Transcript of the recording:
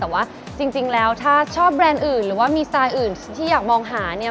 แต่ว่าจริงแล้วถ้าชอบแบรนด์อื่นหรือว่ามีสไตล์อื่นที่อยากมองหาเนี่ย